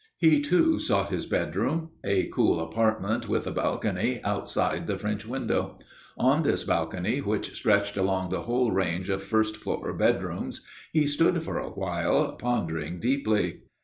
He, too, sought his bedroom, a cool apartment with a balcony outside the French window. On this balcony, which stretched along the whole range of first floor bedrooms, he stood for a while, pondering deeply.